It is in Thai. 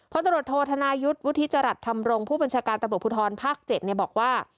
พศโธษธนายุทธ์วุฒิจรัตน์ทำรงผู้บัญชาการตำรวจภูทรภ๗บอกว่า